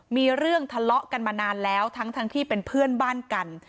มีเรื่องทะเลาะกันมานานแล้วทั้งที่เป็นเพื่อนบ้านกัน